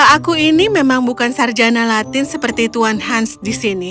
aku ini memang bukan sarjana latin seperti tuan hans di sini